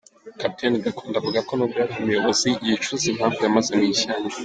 Captain Gakwandi avuga ko nubwo yari umuyobozi yicuza impamvu yamaze mu ishyamba.